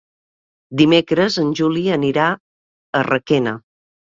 Dimecres en Juli anirà a Requena.